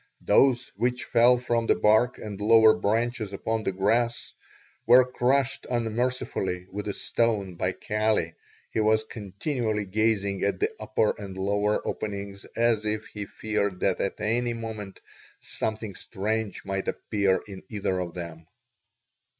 Those which fell from the bark and lower branches upon the grass were crushed unmercifully with a stone by Kali, who was continually gazing at the upper and lower openings as if he feared that at any moment something strange might appear in either of them.